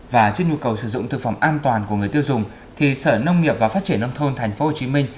và trước nhu cầu sử dụng thực phẩm an toàn của người tiêu dùng thì sở nông nghiệp và phát triển nông thôn tp hcm